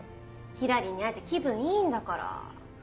ヒラリンに会えて気分いいんだから。